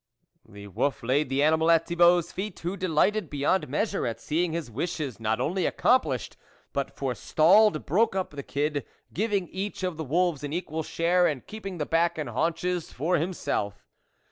The wolf laid the animal at Thibault's feet, who delighted beyond measure at seeing his wishes, not only accomplished, but forestalled, broke up the kid, giving each of the wolves an equal share, and keeping the back and haunches for himself.